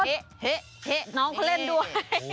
เฮะเฮะเฮะน้องเขาเล่นด้วย